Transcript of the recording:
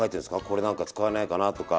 これ何か使えないかなとか？